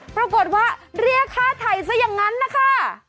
ปรากฏว่าเรียกค่าไถ่ซะอย่างนั้นนะคะ